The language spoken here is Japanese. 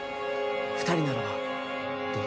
二人ならばどうだ？